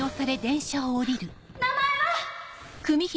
名前は。